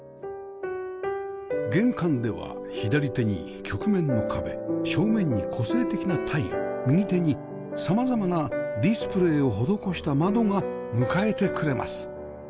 玄関では左手に曲面の壁正面に個性的なタイル右手に様々なディスプレイを施した窓が迎えてくれます